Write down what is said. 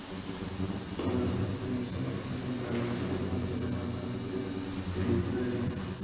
Como las otras dimensiones del temperamento, se considera altamente hereditaria.